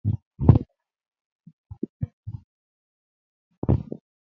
kerib minutik komuchi kuun hewaiit